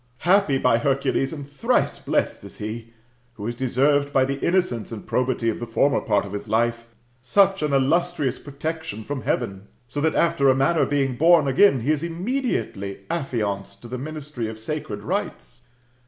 Happy, by Hercules, and thrice blessed is he ! who has deserved, by the innocence and probity of the former part of his life, such an illustrious protection from heaven ; so that, after a manner being bofn again^ he is immediately affianced to the ministry of sacred rites."